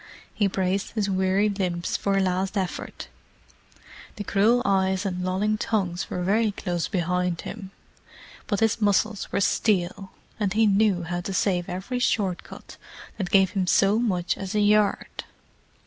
He braced his weary limbs for a last effort. The cruel eyes and lolling tongues were very close behind him; but his muscles were steel, and he knew how to save every short cut that gave him so much as a yard.